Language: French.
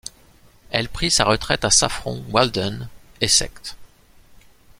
Elle prit sa retraite à Saffron Walden, Essex.